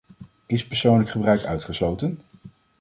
Is persoonlijk gebruik uitgesloten?